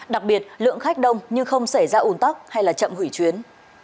đặc biệt lượng khách đông nhưng không xảy ra ủn tắc hay là chậm hủy chuyến